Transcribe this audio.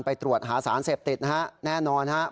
ไปตรวจหาสารเสพติดนะครับแน่นอนครับ